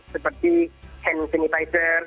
seperti hand sanitizer